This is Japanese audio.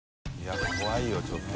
怖いよちょっと。